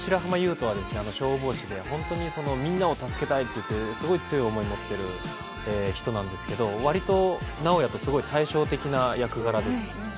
斗は消防士で本当にみんなを助けたいと強い思いを持っている人なんですけど割と直哉とすごい対照的な役柄です。